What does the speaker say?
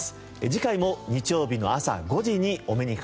次回も日曜日の朝５時にお目にかかりましょう。